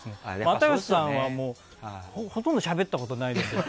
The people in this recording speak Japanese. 又吉さんはほとんどしゃべったことないです。